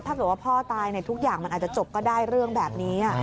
ถ้าเกิดว่าพ่อตายทุกอย่างมันอาจจะจบก็ได้เรื่องแบบนี้